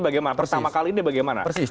bagaimana pertama kali ini bagaimana